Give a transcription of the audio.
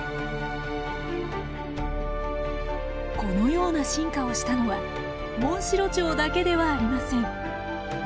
このような進化をしたのはモンシロチョウだけではありません。